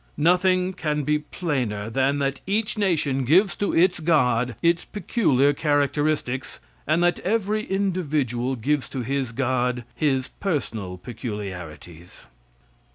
Nothing can be plainer than that each nation gives to its god its peculiar characteristics, and that every individual gives to his God his personal peculiarities.